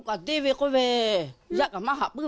ขนาดเขายังบะคักเลย